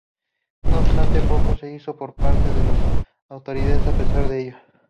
No obstante, poco se hizo por parte de las autoridades a pesar de ello.